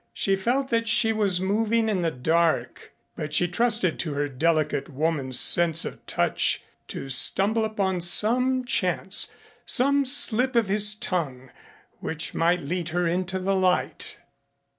She felt that she was moving in the dark but she trusted to her delicate woman's sense of touch to stumble upon some chance, some slip of his tongue, which might lead her into the light.